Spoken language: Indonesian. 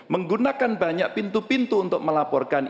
menggunakan banyak pintu pintu untuk melaporkan